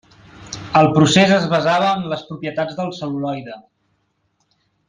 El procés es basava en les propietats del cel·luloide.